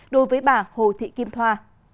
đối với bà hồ thị kim thoa